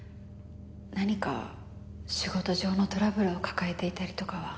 何か仕事上のトラブルを抱えていたりとかは？